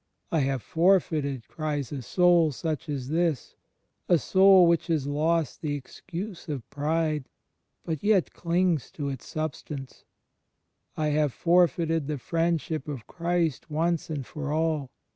"I have for feited," cries a soul such as this — a soul which has lost the excuse of pride, but yet clings to its substance — "I have forfeited the Friendship of Christ once and for all.